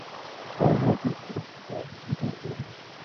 বর সহসা তাহার পিতৃদেবের অবাধ্য হইয়া উঠিল।